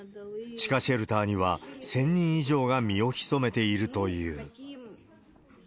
地下シェルターには、１０００人以上が身を潜めているという。